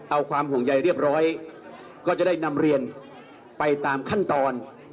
เอาความห่วงใยเรียบร้อยก็จะได้นำเรียนไปตามขั้นตอน